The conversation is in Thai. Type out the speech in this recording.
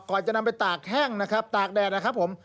ก่อนจะนำไปตากแห้งนะครับตากแดดนะครับผม